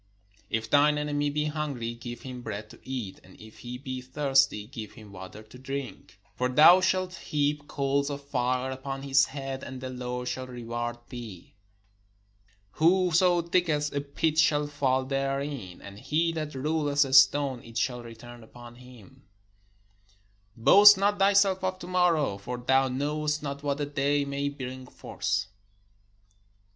If thineenemy be hungry, give him bread to eat; and if he be thirsty, give him water to drink : For thou shalt heap coals of fire upon his head, and the Lord shall reward thee. Whoso diggeth a pit shall fall therein: and he that rolleth a stone, it will return upon him. Boast not thyself of to morrow; for thou knowest not what a day may bring forth.